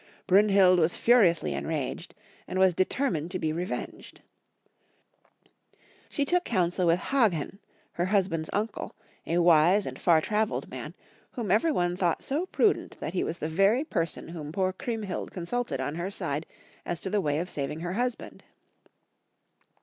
Brunhild was furiously enraged, and was deter mined to be revenged. She took councU with Haghen, her husband's uncle, a wise and far traveled man, whom every one thought so prudent that he was the very person whom poor Chriemhild consulted on her side as to the way of saving her husband.